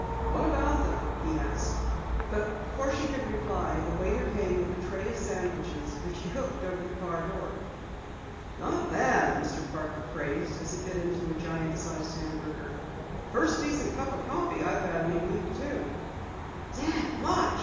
"What about them?" he asked, but before she could reply, the waiter came with a tray of sandwiches which he hooked over the car door. "Not bad," Mr. Parker praised as he bit into a giant size hamburger. "First decent cup of coffee I've had in a week too." "Dad, watch!"